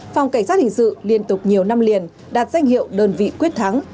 phòng cảnh sát hình sự liên tục nhiều năm liền đạt danh hiệu đơn vị quyết thắng